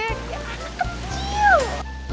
ya anak kecil